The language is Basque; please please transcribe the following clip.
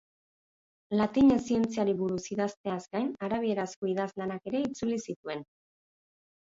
Latinez zientziari buruz idazteaz gain, arabierazko idazlanak ere itzuli zituen.